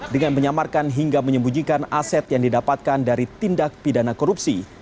dengan menyamarkan hingga menyembunyikan aset yang didapatkan dari tindak pidana korupsi